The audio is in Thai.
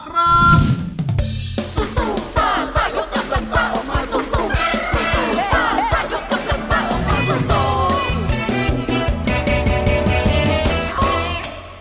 ซู่ซู่ซ่าซ่ายกกำลังซ่าออกมาซู่ซู่